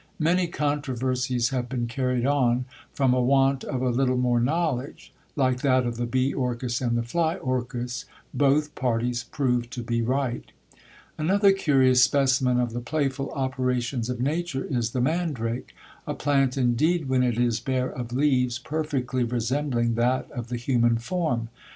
Many controversies have been carried on, from a want of a little more knowledge; like that of the BEE orchis and the FLY orchis, both parties prove to be right. Another curious specimen of the playful operations of nature is the mandrake; a plant, indeed, when it is bare of leaves, perfectly resembling that of the human form.